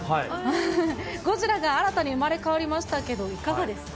ゴジラが新たに生まれ変わりましたけど、いかがですか。